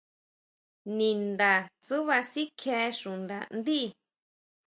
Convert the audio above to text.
Ninda tsúʼba sikjie xuʼnda ndí.